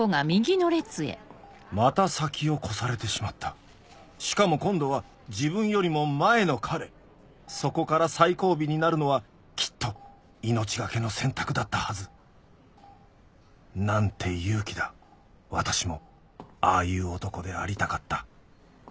また先を越されてしまったしかも今度は自分よりも前の彼そこから最後尾になるのはきっと命懸けの選択だったはず何て勇気だ私もああいう男でありたかった